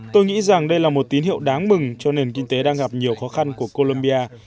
tôi nghĩ rằng đây là một tín hiệu đáng mừng cho nền kinh tế đang gặp nhiều khó khăn của colombia